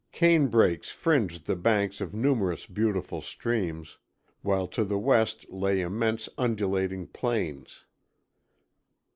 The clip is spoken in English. Cane brakes fringed the banks of numerous beautiful streams, while to the west lay immense undulating plains.